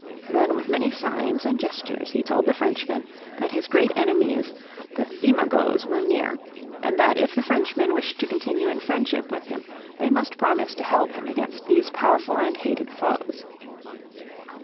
Then with many signs and gestures he told the Frenchmen that his great enemies the Thimagoes were near, and that if the Frenchmen wished to continue in friendship with him they must promise to help him against these powerful and hated foes.